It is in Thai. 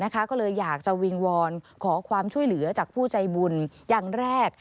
ก็เลยอยากจะวิงวอนขอความช่วยเหลือจากผู้ใจบุญอย่างแรก